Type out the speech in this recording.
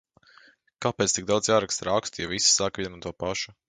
Kāpēc tik daudz jāraksta rakstu, ja visi saka vienu un to pašu?